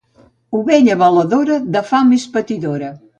Ovella beladora de fam és patidora.